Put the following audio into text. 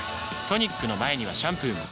トニックの前にはシャンプーも